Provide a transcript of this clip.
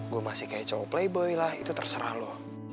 gue masih kayak cowok playboy lah itu terserah loh